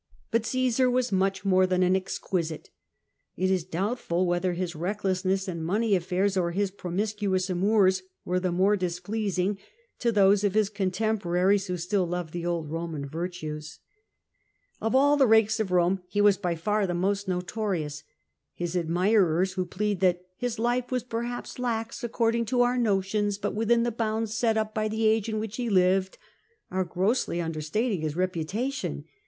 But Omsar was much more than an exquisite. It. is doubtfid whether his recklessm^ss in money affairs or Ins promiscuous atnours were the more displeasing to those of his con temporarii's who still loved the old Roman virtues* Of A SCANDALOUS CAEEER 301 all the rakes of Rome, he was by far the most Botorious, His admirers who plead that his life was perhaps lax according to oar notions, but within the bounds set up by the age in which he lived," are grossly understating his reputation.